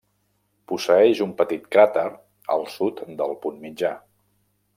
Posseeix un petit cràter al sud del punt mitjà.